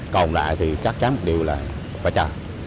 còn lại thì chắc chắn một điều là phải chờ